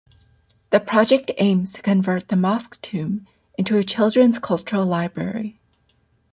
The project aims to convert the mosque-tomb into a children's cultural library.